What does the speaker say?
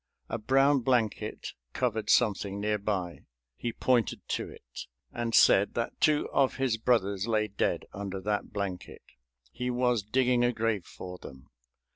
A brown blanket covered something near by. He pointed to it and said that two of his brothers lay dead under that blanket. He was digging a grave for them.